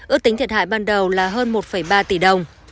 ước tính thiệt hại ban đầu là hơn một ba tỷ đồng